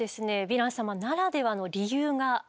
ヴィラン様ならではの理由があるんですね。